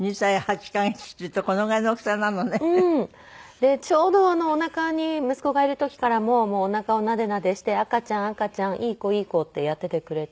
でちょうどおなかに息子がいる時からもうおなかをなでなでして「赤ちゃん赤ちゃんいい子いい子」ってやっていてくれて。